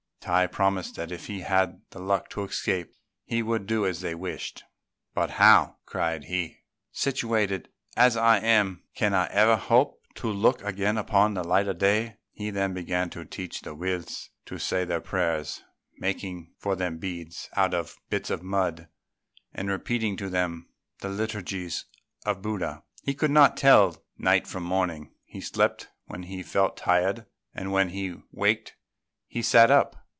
Tai promised that if he had the luck to escape he would do as they wished; "but how," cried he, "situated as I am, can I ever hope to look again upon the light of day?" He then began to teach the Wills to say their prayers, making for them beads out of bits of mud, and repeating to them the liturgies of Buddha. He could not tell night from morning; he slept when he felt tired, and when he waked he sat up.